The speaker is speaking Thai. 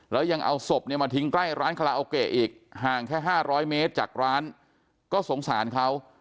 แล้วยังเอาศพเนี่ยมาทิ้งใกล้ร้านคาราโอเกะอีกห่างแค่๕๐๐เมตรจากร้านก็สงสารเขา